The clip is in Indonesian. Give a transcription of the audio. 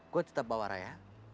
gue tetap bawa raya